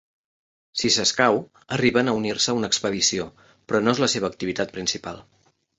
Si s'escau, arriben a unir-se a una expedició, però no és la seva activitat principal.